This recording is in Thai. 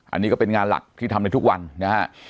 อันนี้ก็เป็นงานหลักที่ทำในทุกวันนะฮะ